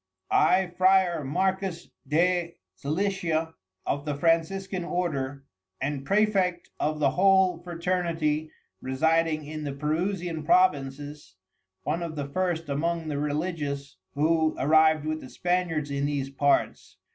I Frier Marcus de Xlicia, of the Franciscan Order, and Praefect of the whole Fraternity residing in the Perusian Provinces, one of the first among the Religious, who arriv'd with the Spaniards in these parts.